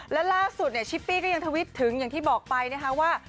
และล่าสุดเนี่ยชิปปี้ก็ยังทวิตถึงอย่างที่บอกไปนะคะว่า